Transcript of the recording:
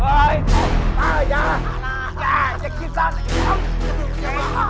เฮ้ยอย่าอย่าอย่าอย่ากินซักหน่อย